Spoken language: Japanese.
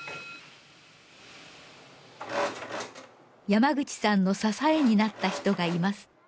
山口さんの支えになった人がいます。